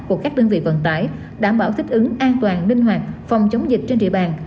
của các đơn vị vận tải đảm bảo thích ứng an toàn linh hoạt phòng chống dịch trên địa bàn